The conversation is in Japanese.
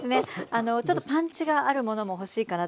あのちょっとパンチがあるものも欲しいかなと思います。